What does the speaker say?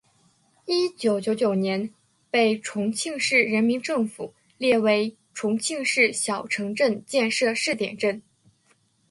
一九九九年被重庆市人民政府列为重庆市小城镇建设试点镇。